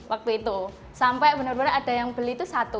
waktu itu sampai benar benar ada yang beli itu satu